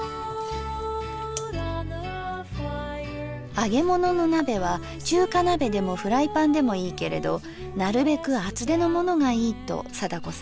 揚げ物の鍋は中華鍋でもフライパンでもいいけれどなるべく厚手のものがいいと貞子さん。